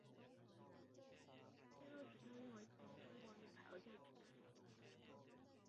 现任主教练为前中国女排二队主教练陈友泉。